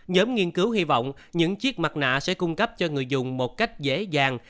nhóm nghiên cứu hy vọng những chiếc mặt nạ sẽ cung cấp cho người dùng một cách dễ dàng